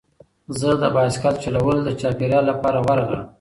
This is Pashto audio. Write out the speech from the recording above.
زه د بایسکل چلول د چاپیریال لپاره غوره ګڼم.